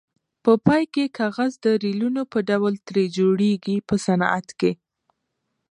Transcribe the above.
په پای کې کاغذ د ریلونو په ډول ترې جوړیږي په صنعت کې.